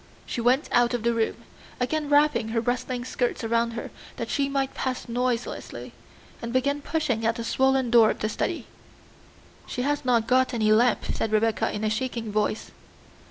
She went out of the room, again wrapping her rustling skirts round that she might pass noiselessly, and began pushing at the swollen door of the study. "She has not got any lamp," said Rebecca in a shaking voice.